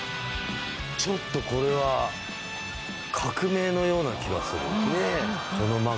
ちょっとこれは革命のような気がするこの枕は。